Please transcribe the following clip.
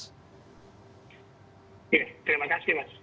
ya terima kasih mas